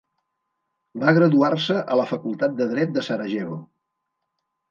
Va graduar-se a la Facultat de Dret de Sarajevo.